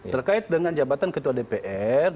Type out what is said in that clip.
terkait dengan jabatan ketua dpr